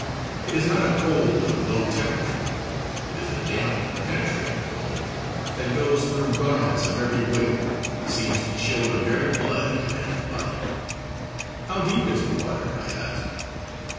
It is not a cold of low temperature; it is a damp, penetrating cold that goes through garments of every weight and seems to chill the very blood in a man's body. "How deep is the water?" I asked.